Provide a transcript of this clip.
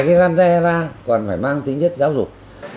cái gian tre ra còn phải mang tính nhất giáo dục